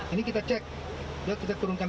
ini kita cek kita turunkan